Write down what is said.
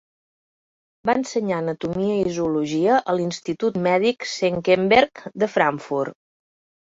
Va ensenyar anatomia i zoologia a l'Institut Mèdic Senckenberg de Frankfurt.